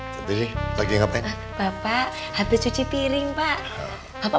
kau sampai solche